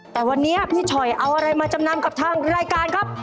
แต่วันนี้พี่ฉอยเอาอะไรมาจำนำกับทางรายการครับ